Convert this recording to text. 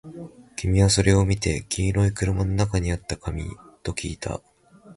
君はそれを見て、黄色い車の中にあった紙？ときいた